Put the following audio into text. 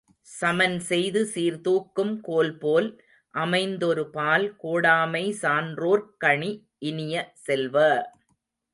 சமன்செய்து சீர்தூக்கும் கோல்போல் அமைந்தொருபால் கோடாமை சான்றோர்க் கணி இனிய செல்வ!